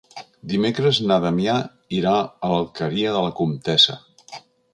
Dimecres na Damià irà a l'Alqueria de la Comtessa.